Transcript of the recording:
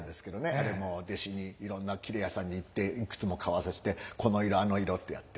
あれも弟子にいろんな布屋さんに行っていくつも買わさしてこの色あの色ってやって。